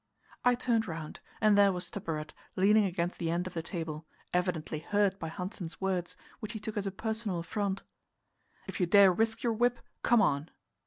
I turned round, and there was Stubberud leaning against the end of the table, evidently hurt by Hanssen's words, which he took as a personal affront. "If you dare risk your whip, come on."